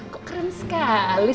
kok keren sekali